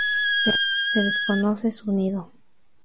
Se desconoce su nido.